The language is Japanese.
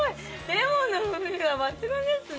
レモンの風味が抜群ですね。